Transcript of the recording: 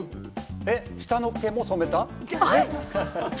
下の毛も染めた？